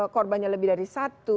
korbannya lebih dari satu